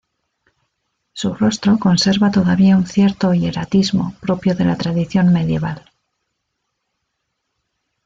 Su rostro conserva todavía un cierto hieratismo propio de la tradición medieval.